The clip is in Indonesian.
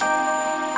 tante mau ke mana